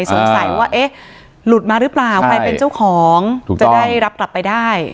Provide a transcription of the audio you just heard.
สงสัยว่าเอ๊ะหลุดมาหรือเปล่าใครเป็นเจ้าของจะได้รับกลับไปได้